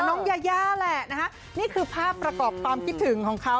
น้องยายาแหละนะคะนี่คือภาพประกอบความคิดถึงของเขา